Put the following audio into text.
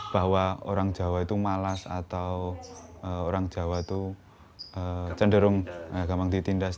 bahwa orang jawa itu malas atau orang jawa itu cenderung gampang ditindas